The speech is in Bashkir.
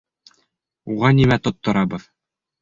Уға нимә тотторабыҙ...